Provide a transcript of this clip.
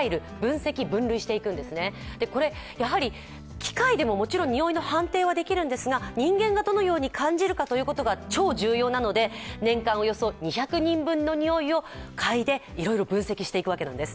機械でももちろんにおいの判定はできるんですが、人間がどのように感じるかということが超重要なので年間およそ２００人分のにおいを嗅いで、いろいろ分析していくわけなんです。